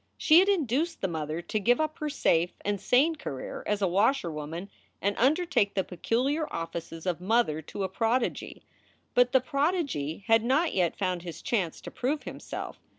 She had induced the mother to give up her safe and sane career as a washerwoman and undertake the peculiar offices of mother to a prodigy. But the prodigy had not yet found his chance to prove himself.